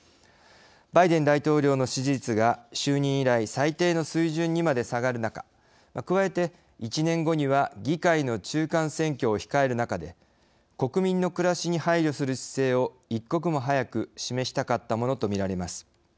バイデン大統領の支持率が就任以来最低の水準にまで下がる中加えて、１年後には議会の中間選挙を控える中で国民の暮らしに配慮する姿勢を一刻も早く示したかったものとみられます。